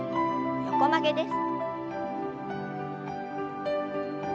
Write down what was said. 横曲げです。